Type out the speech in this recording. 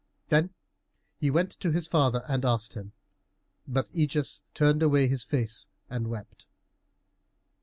Then he went to his father and asked him, but Ægeus turned away his face and wept.